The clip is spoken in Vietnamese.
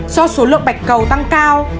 do số lượng bạch cầu tăng cao